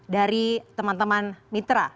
dari teman teman mitra